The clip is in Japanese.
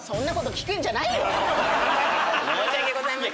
申し訳ございません。